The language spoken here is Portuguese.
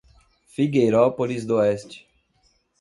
Figueirópolis d'Oeste